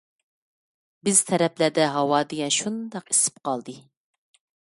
بىز تەرەپلەردە ھاۋا دېگەن شۇنداق ئىسسىپ قالدى.